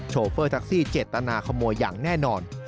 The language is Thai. โฟเฟอร์แท็กซี่เจตนาขโมยอย่างแน่นอน